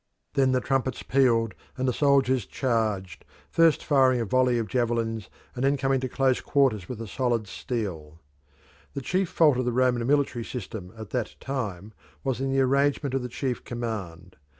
Then the trumpets pealed, and the soldiers charged, first firing a volley of javelins and then coming to close quarters with the solid steel. The chief fault of the Roman military system at that time was in the arrangement of the chief command.